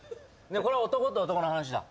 これは男と男の話だ。